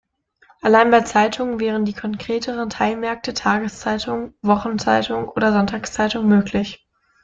Allein bei Zeitungen wären die konkreteren Teilmärkte Tageszeitung, Wochenzeitung oder Sonntagszeitung möglich.